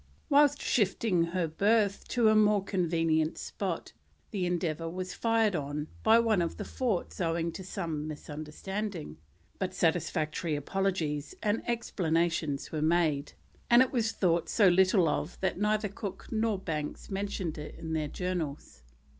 Whilst shifting her berth to a more convenient spot, the Endeavour was fired on by one of the forts owing to some misunderstanding, but satisfactory apologies and explanations were made, and it was thought so little of that neither Cook nor Banks mention it in their Journals.